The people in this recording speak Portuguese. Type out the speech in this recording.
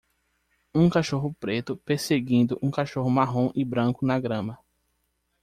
um cachorro preto perseguindo um cachorro marrom e branco na grama